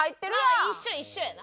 まあ一緒一緒やな。